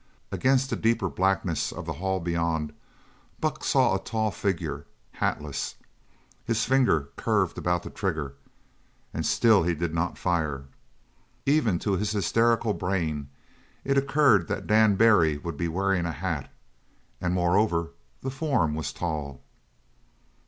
Against the deeper blackness of the hall beyond, Buck saw a tall figure, hatless. His finger curved about the trigger, and still he did not fire. Even to his hysterical brain it occurred that Dan Barry would be wearing a hat and moreover the form was tall.